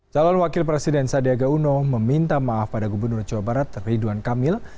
calon wakil presiden sandiaga uno meminta maaf pada gubernur jawa barat ridwan kamil